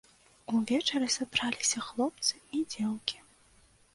Увечары сабраліся хлопцы і дзеўкі.